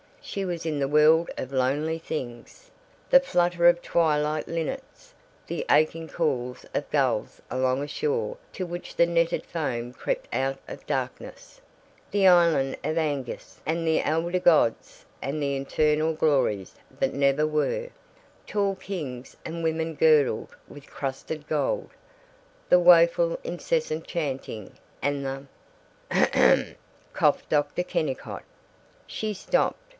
She was in the world of lonely things the flutter of twilight linnets, the aching call of gulls along a shore to which the netted foam crept out of darkness, the island of Aengus and the elder gods and the eternal glories that never were, tall kings and women girdled with crusted gold, the woful incessant chanting and the "Heh cha cha!" coughed Dr. Kennicott. She stopped.